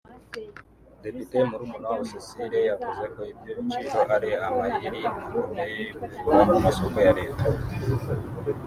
Depite Murumunawabo Cécile yavuze ko ibyo biciro ari amayeri akomeye y’ubujura mu masoko ya leta